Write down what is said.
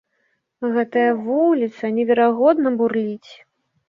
І гэтая вуліца неверагодна бурліць.